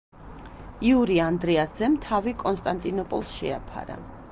იური ანდრიას ძემ თავი კონსტანტინოპოლს შეაფარა.